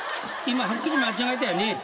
今はっきり間違えたよね？